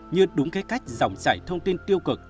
như đúng cái cách dòng chảy thông tin tiêu cực